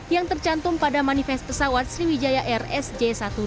yang tercantum pada manifest pesawat sriwijaya air sj satu ratus delapan puluh dua